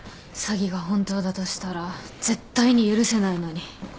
詐欺が本当だとしたら絶対に許せないのに。